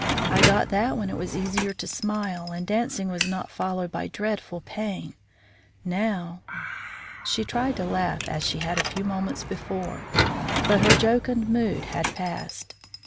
I got that when it was easier to smile, and dancing was not followed by dreadful pain. Now " She tried to laugh as she had a few moments before, but her jocund mood had passed.